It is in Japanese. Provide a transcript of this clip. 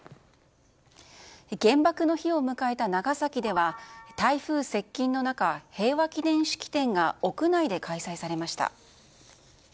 原爆の日を迎えた長崎では台風接近の中、平和祈念式典が屋内で開催されました。